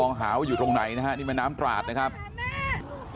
จมถึงแล้ว